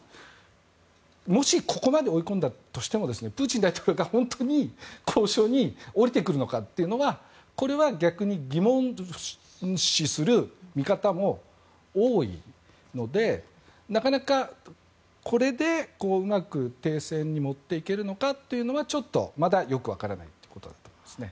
もしここまで追い込んだとしてもプーチン大統領が本当に交渉に下りてくるのかというのはこれは逆に疑問視する見方も多いのでなかなかこれでうまく停戦に持っていけるのかというのはちょっとまだよく分からないということだと思いますね。